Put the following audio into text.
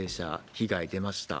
被害出ました。